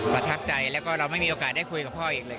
ประทับใจแล้วก็เราไม่มีโอกาสได้คุยกับพ่ออีกเลย